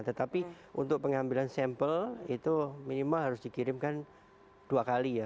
tetapi untuk pengambilan sampel itu minimal harus dikirimkan dua kali ya